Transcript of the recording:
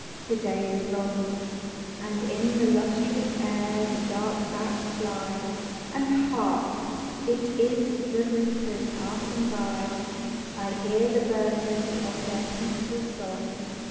The day was long; And in the lustrous air the dark bats fly; And Hark! It is the reapers passing by, I hear the burden of their peaceful song.